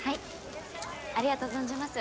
ありがとう存じます。